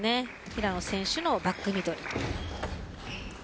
平野選手のバックミドルと。